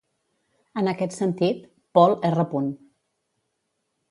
En aquest sentit, Paul R.